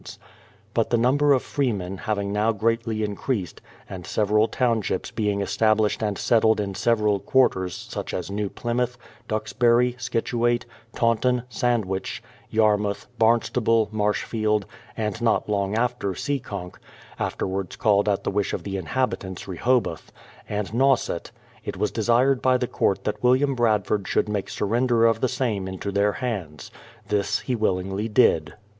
B02 BRADFORD'S HISTORY OF But the number of freemen having now greatly increased, and several townships being estabhshed and settled in several quarters such as New Plymouth, Duxbury, Scituate, Taunton, Sandwich, Yarmouth, Barnstable, Marshfield, and not long after Seekonk, — afterwards called at the wish of the inhabitants Rehoboth, — and Nauset, it was desired by the Court that William Bradford should make surrender of the same into their hands. This he willingly did.